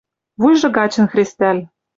Вуйжы гачын хрестӓл